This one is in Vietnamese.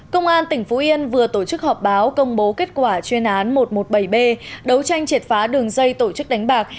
công an tỉnh phú yên vừa tổ chức họp báo công bố kết quả chuyên án một trăm một mươi bảy b đấu tranh triệt phá đường dây tổ chức đánh bạc